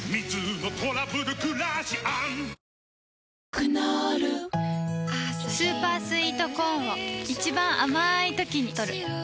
クノールスーパースイートコーンを一番あまいときにとる